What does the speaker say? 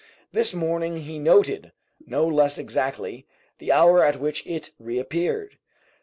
This morning he noted, no less exactly, the hour at which it reappeared.